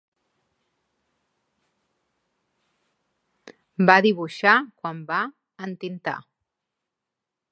Va dibuixar quan va entintar.